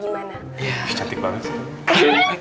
iya cantik banget sih